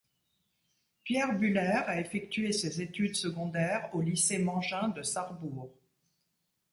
Pierre Buhler a effectué ses études secondaires au Lycée Mangin de Sarrebourg.